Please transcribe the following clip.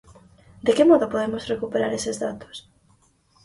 De que modo podemos recuperar ese datos?